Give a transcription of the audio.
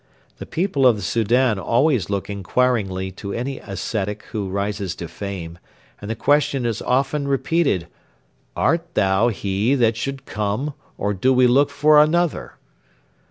The people of the Soudan always look inquiringly to any ascetic who rises to fame, and the question is often repeated, 'Art thou he that should come, or do we look for another?'